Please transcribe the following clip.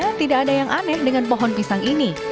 tidak ada yang aneh dengan pohon pisang ini